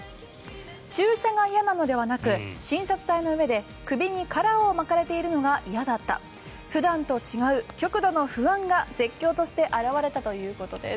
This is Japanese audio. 注射が嫌なのではなく診察台の上で首にカラーを巻かれているのが嫌だった普段と違う極度の不安が絶叫として表れたということです。